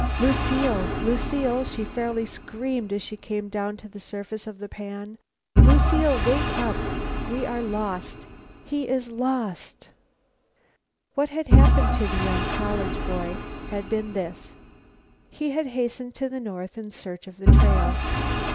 "Lucile! Lucile!" she fairly screamed as she came down to the surface of the pan. "Lucile! Wake up! We are lost! He is lost!" What had happened to the young college boy had been this: He had hastened to the north in search of the trail.